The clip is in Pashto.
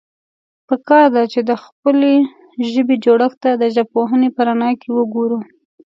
پکار ده، چې د خپلې ژبې جوړښت ته د ژبپوهنې په رڼا کې وګورو.